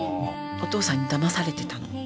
お父さんにだまされてたの。